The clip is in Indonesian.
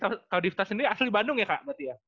ya kak dipta sendiri asli bandung ya kak